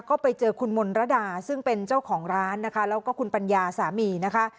ก็ไปเจอคุณมนรดาซึ่งเป็นเจ้าของร้านนะคะแล้วก็คุณปัญญาสามีนะคะ